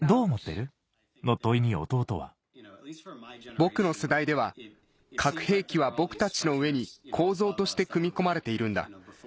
僕の世代では核兵器は僕たちの上に構造として組み込まれているんだ。